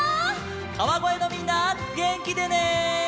川越のみんなげんきでね！